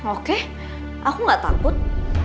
oke aku gak takut